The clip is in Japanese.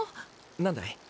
何だい？